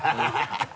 ハハハ